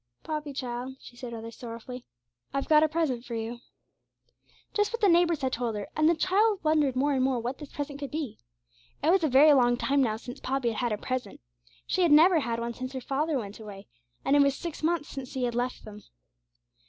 'Poppy, child,' she said, rather sorrowfully, 'I've got a present for you.' Just what the neighbours had told her; and the child wondered more and more what this present could be. It was a very long time now since Poppy had had a present; she had never had one since her father went away, and it was six months since he had left them.